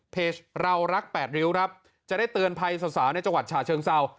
เรารักแปดริ้วครับจะได้เตือนภัยสาวในจังหวัดฉะเชิงเศร้า